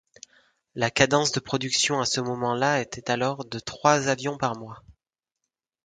La cadence de production à ce moment-là était alors de trois avions par mois.